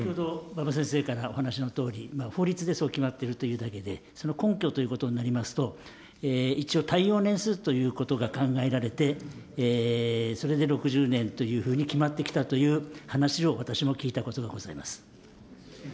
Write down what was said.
馬場先生からお話しのとおり法律でそう決まってるというだけで、その根拠ということになりますと、一応、耐用年数ということが考えられて、それで６０年というふうに決まってきたという話を、私も聞いたことがございます。